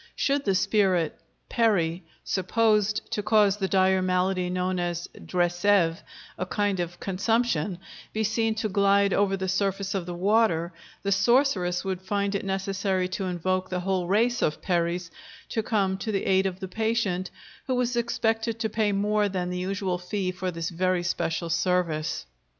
Should the spirit (peri) supposed to cause the dire malady known as drsévé, a kind of consumption, be seen to glide over the surface of the water, the sorceress would find it necessary to invoke the whole race of peris to come to the aid of the patient, who was expected to pay more than the usual fee for this very special service.